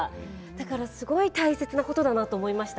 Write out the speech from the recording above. だから、すごく大切なことだなと思いました。